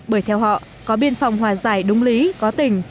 bởi theo họ có biên phòng hòa giải đúng lý có tình